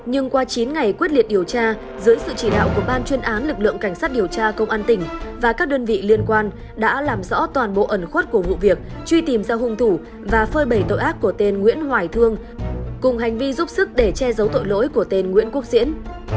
nhưng qua chín ngày quyết liệt điều tra dưới sự chỉ đạo của ban chuyên án lực lượng cảnh sát điều tra công an tỉnh và các đơn vị liên quan đã làm rõ toàn bộ ẩn khuất của vụ việc truy tìm ra hung thủ và phơi bầy tội ác của tên nguyễn hoài thương cùng hành vi giúp sức để che giấu tội lỗi của tên nguyễn quốc diễn